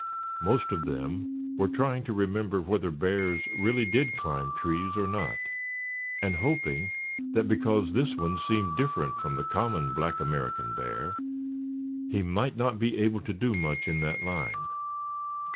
Most of them were trying to remember whether bears really did climb trees or not; and hoping that because this one seemed different from the common black American bear, he might not be able to do much in that line.